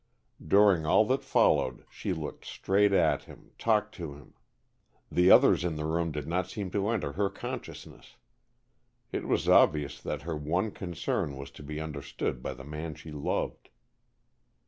During all that followed she looked straight at him, talked to him. The others in the room did not seem to enter her consciousness. It was obvious that her one concern was to be understood by the man she loved.